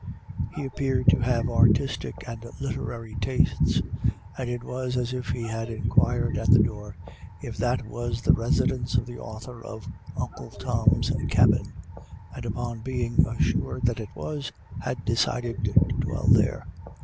He appeared to have artistic and literary tastes, and it was as if he had inquired at the door if that was the residence of the author of Uncle Tom's Cabin, and, upon being assured that it was, had decided to dwell there.